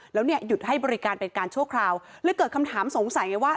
แล้วเนี่ยหยุดให้บริการเป็นการชั่วคราวเลยเกิดคำถามสงสัยไงว่า